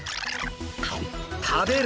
食べる！